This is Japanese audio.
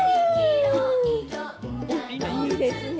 いいですね。